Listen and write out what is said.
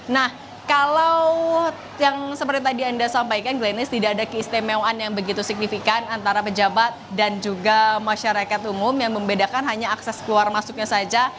nah kalau yang seperti tadi anda sampaikan glennis tidak ada keistimewaan yang begitu signifikan antara pejabat dan juga masyarakat umum yang membedakan hanya akses keluar masuknya saja